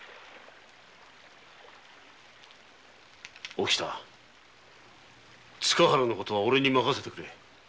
おきた塚原のことは俺に任せてくれ。